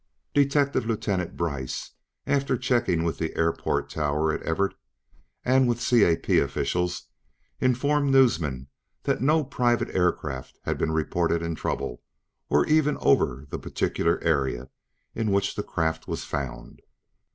Detective Lieutenant Brice, after checking with the airport tower at Everett, and with CAP officials, informed newsmen that no private aircraft had been reported in trouble, or even over the particular area in which the craft was found.